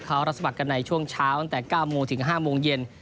เขารับสมัครกันในช่วงเช้าตั้งแต่๙โมงถึง๕โมงเย็น